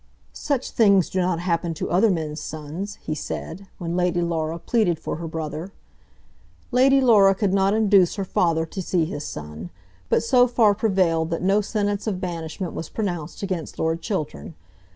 "Such things do not happen to other men's sons," he said, when Lady Laura pleaded for her brother. Lady Laura could not induce her father to see his son, but so far prevailed that no sentence of banishment was pronounced against Lord Chiltern.